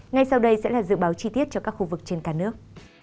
ngay sau đây sẽ là dự báo chi tiết cho các khu vực trên cả nước